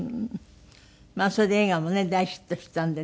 それで映画もね大ヒットしたんでね